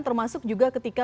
termasuk juga ketika